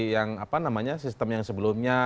yang apa namanya sistem yang sebelumnya